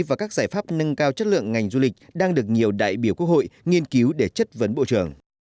và các giải pháp nâng cao chất lượng ngành du lịch đang được nhiều đại biểu quốc hội nghiên cứu để chất vấn bộ trưởng